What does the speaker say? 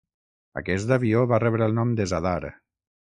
Aquest avió va rebre el nom de Zadar.